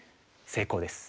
成功です。